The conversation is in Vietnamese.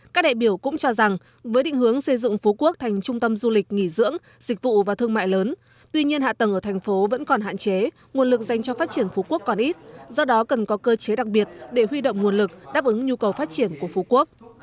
các đại biểu cũng cho rằng với định hướng xây dựng phú quốc thành trung tâm du lịch nghỉ dưỡng dịch vụ và thương mại lớn tuy nhiên hạ tầng ở thành phố vẫn còn hạn chế nguồn lực dành cho phát triển phú quốc còn ít do đó cần có cơ chế đặc biệt để huy động nguồn lực đáp ứng nhu cầu phát triển của phú quốc